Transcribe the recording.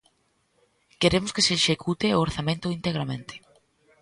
Queremos que se execute o orzamento integramente.